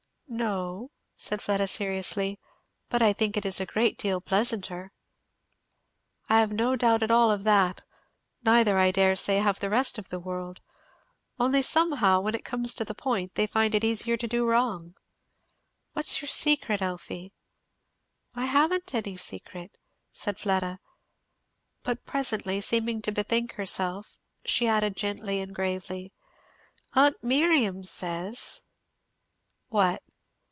"No," said Fleda seriously. "But I think it is a great deal pleasanter." "I have no doubt at all of that, neither, I dare say, have the rest of the world; only somehow when it comes to the point they find it is easier to do wrong. What's your secret, Elfie?" "I haven't any secret," said Fleda. But presently, seeming to bethink herself, she added gently and gravely, "Aunt Miriam says " "What?"